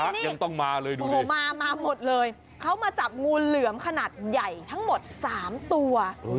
นี่มามาหมดเลยเข้ามาจับงูเหลือมขนาดใหญ่ทั้งหมด๓ตัว